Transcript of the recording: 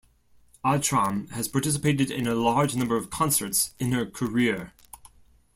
Ajram has participated in a large number of concerts in her career.